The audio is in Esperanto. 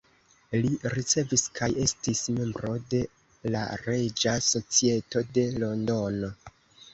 Li ricevis kaj estis membro de la Reĝa Societo de Londono.